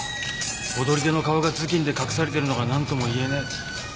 踊り手の顔が頭巾で隠されてるのが何ともいえねえ。